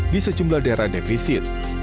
di sejumlah daerah defisit